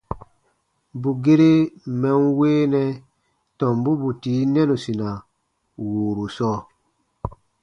Bù gere mɛ̀ n weenɛ tɔmbu bù tii nɛnusina wùuru sɔɔ.